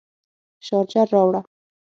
شارجر راوړه